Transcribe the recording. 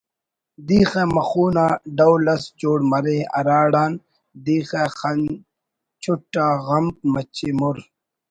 دیخہ مخو نا ڈول اس جوڑ مرے ہراڑان دیخہ خن چُٹ آ غمک مچے مر